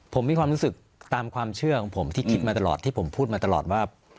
ผมมีความรู้สึกตามความเชื่อของผมที่คิดมาตลอดที่ผมพูดมาตลอดว่า